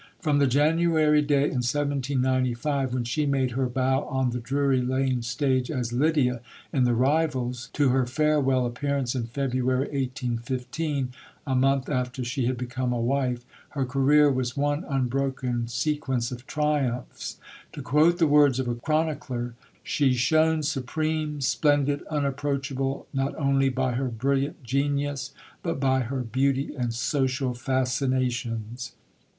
From the January day in 1795 when she made her bow on the Drury Lane stage as Lydia in The Rivals, to her farewell appearance in February 1815, a month after she had become a wife, her career was one unbroken sequence of triumphs. To quote the words of a chronicler, She shone supreme, splendid, unapproachable, not only by her brilliant genius, but by her beauty and social fascinations.